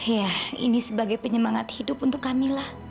ya ini sebagai penyemangat hidup untuk kamilah